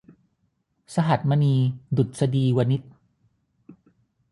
สหัสมณี ดุษฎีวนิช